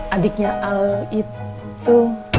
adiknya al itu